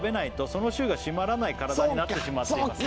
「その週が締まらない体になってしまっています」